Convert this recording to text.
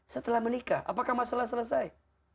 setelah menikah apakah masalah selesai